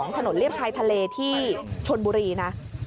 ถนนเลียบชายทะเลที่ชนบุรีนะ